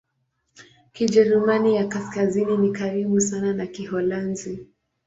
Kijerumani ya Kaskazini ni karibu sana na Kiholanzi.